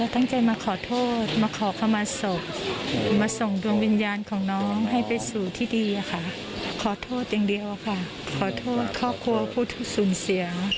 ต้องการขอโทษในสิ่งที่ลูกชายทำลงไป